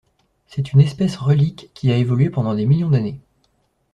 C'est une espèce relique qui a évolué pendant des millions d'années.